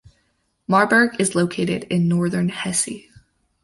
Marburg is located in northern Hesse.